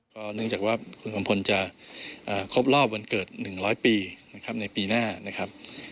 ก็เนื่องจากว่าคุณกำพลจะครบรอบวันเกิด๑๐๐ปีในปีหน้า